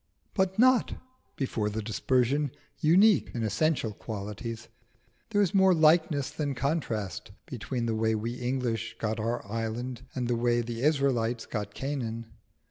But not, before the dispersion, unique in essential qualities. There is more likeness than contrast between the way we English got our island and the way the Israelites got Canaan.